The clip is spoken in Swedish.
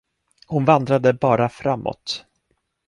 Hon vandrade bara framåt.